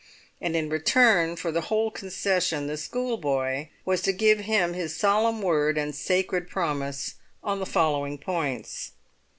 And in return for the whole concession the schoolboy was to give his solemn word and sacred promise on the following points.